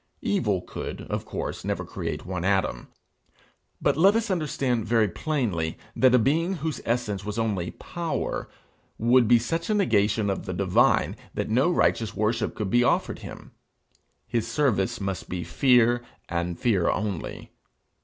_ Evil could, of course, never create one atom; but let us understand very plainly, that a being whose essence was only power would be such a negation of the divine that no righteous worship could be offered him: his service must be fear, and fear only.